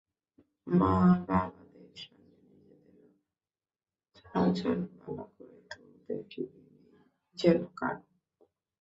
মা-বাবাদের সঙ্গে নিজেদেরও সাজন বালা করে তুলতে জুড়ি নেই যেন কারও।